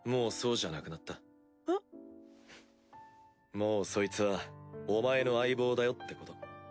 もうそいつはお前の相棒だよってこと。